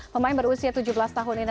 pemain berusia tujuh belas tahun ini